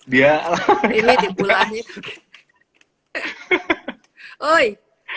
dia ini di bulan ini